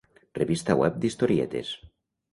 Revista web d'Historietes.